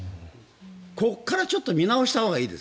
ここから見直したほうがいいです。